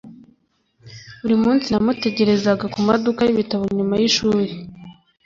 Buri munsi namutegerezaga kumaduka yibitabo nyuma yishuri.